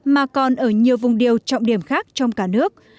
mà còn ở nhiều vùng điều trọng điểm khác trong cả nước